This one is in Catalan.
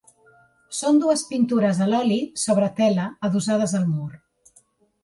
Són dues pintures a l'oli sobre tela adossades al mur.